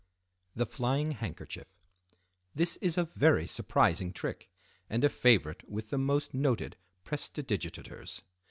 The Flying Handkerchief.—This is a very surprising trick, and a favorite with the most noted prestidigitateurs.